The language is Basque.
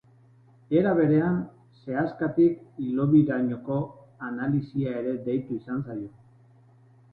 Era berean, sehaskatik-hilobirainoko analisia ere deitu izan zaio.